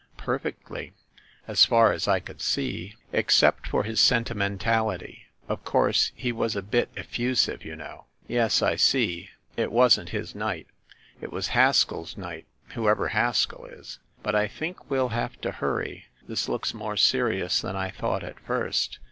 "Perfectly, as far as I could see, except for his sentimentality. Of course he was a bit effusive, you know." "Yes, I see. It wasn't his night. It was Haskell's night, whoever Haskell is! But I think we'll have to hurry. This looks more serious than I thought at first.